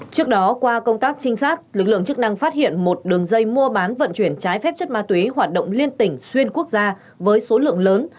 trước đó qua công tác trinh sát lực lượng chức năng phát hiện một đường dây mua bán vận chuyển trái phép chất ma túy hoạt động liên tỉnh xuyên quốc gia với số lượng lớn